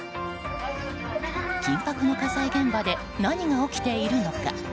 緊迫の火災現場で何が起きているのか。